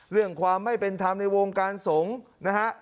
เรื่องความไม่เป็นธรรมในวงการสงฆ์นะฮะ